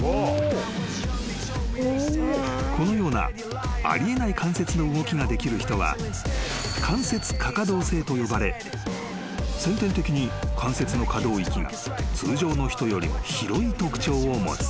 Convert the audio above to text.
［このようなあり得ない関節の動きができる人は関節過可動性と呼ばれ先天的に関節の可動域が通常の人よりも広い特徴を持つ］